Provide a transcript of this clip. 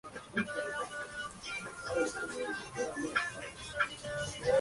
El palacete municipal cuenta con una superficie de más de mil cien metros cuadrados.